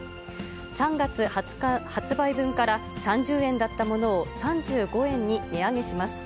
３月２０日発売分から、３０円だったものを３５円に値上げします。